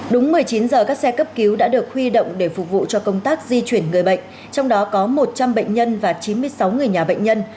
đúng một mươi chín giờ các xe cấp cứu đã được huy động để phục vụ cho công tác di chuyển người bệnh trong đó có một trăm linh bệnh nhân và chín mươi sáu người nhà bệnh nhân